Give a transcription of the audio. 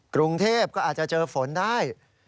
กรุงเทพก็อาจจะเจอฝนได้